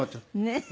ねえ。